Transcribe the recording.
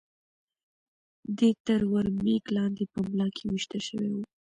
دی تر ور مېږ لاندې په ملا کې وېشتل شوی و.